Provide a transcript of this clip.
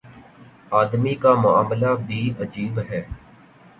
آدمی کا معاملہ بھی عجیب ہے۔